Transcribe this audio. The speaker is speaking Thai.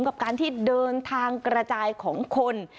กับการที่เดินทางกระจายของคน